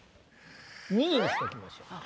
２位の人いきましょう。